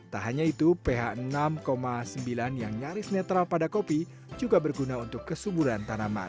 tak hanya itu ph enam sembilan yang nyaris netral pada kopi juga berguna untuk kesuburan tanaman